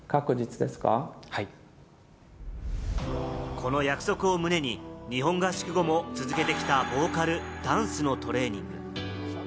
この約束を胸に日本合宿後も続けてきたボーカル、ダンスのトレーニング。